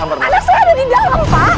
karena saya ada di dalam pak